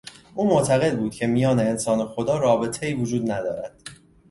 او معتقد بود که میان انسان و خدا رابطهای وجود ندارد.